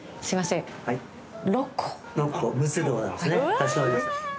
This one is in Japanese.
かしこまりました。